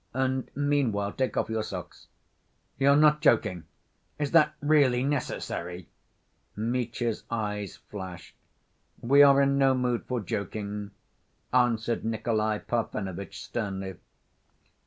And meanwhile take off your socks." "You're not joking? Is that really necessary?" Mitya's eyes flashed. "We are in no mood for joking," answered Nikolay Parfenovitch sternly.